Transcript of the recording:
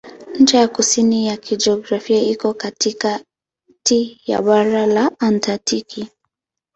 Ncha ya kusini ya kijiografia iko katikati ya bara la Antaktiki.